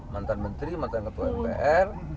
mantan menteri mantan ketua mpr